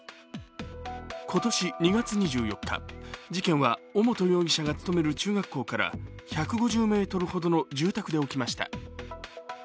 今年２月２４日、事件は尾本容疑者が勤める中学校から１５０ｍほどの住宅で起きました。